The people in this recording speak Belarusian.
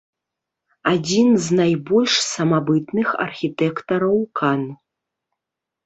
Адзін з найбольш самабытных архітэктараў кан.